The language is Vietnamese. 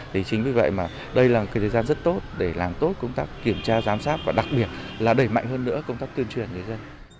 thì chính vì vậy mà đây là cái thời gian rất tốt để làm tốt công tác kiểm tra giám sát và đặc biệt là đẩy mạnh hơn nữa công tác tuyên truyền người dân